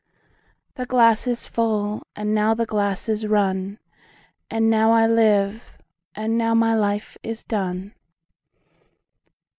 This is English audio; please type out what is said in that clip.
17The glass is full, and now the glass is run,18And now I live, and now my life is done.